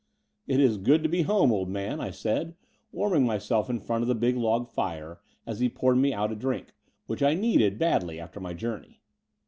''It is good to be home, old man," I said, warm ing myself in front of the big log fire as he poured me out a drink, which I needed badly after my journey.